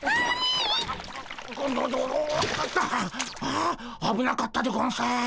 ああぶなかったでゴンス。